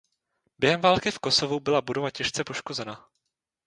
Během války v Kosovu byla budova těžce poškozena.